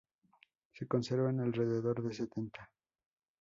Se conservan alrededor de setenta.